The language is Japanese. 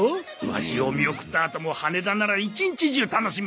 ワシを見送ったあとも羽田なら一日中楽しめるばい。